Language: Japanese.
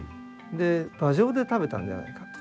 で馬上で食べたんじゃないかと。